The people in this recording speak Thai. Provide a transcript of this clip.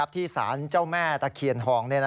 ที่สารเจ้าแม่ตะเคียนทอง